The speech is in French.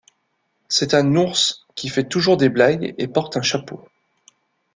C'est un ours qui fait toujours des blagues et porte un chapeau.